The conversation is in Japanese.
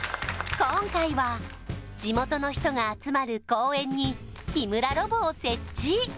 今回は地元の人が集まる公園に日村ロボを設置